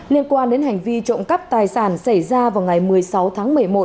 liên quan đến hành vi trộm cắp tài sản xảy ra vào ngày một mươi sáu tháng một mươi một